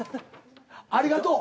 ありがとう。